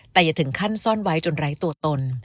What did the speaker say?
แต่อย่าถึงขั้นซ่อนไว้จนไร้ตัวตน